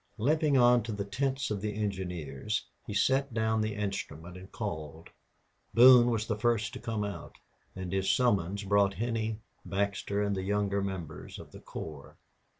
Limping on to the tents of the engineers, he set down the instrument and called. Boone was the first to come out, and his summons brought Henney, Baxter, and the younger members of the corps.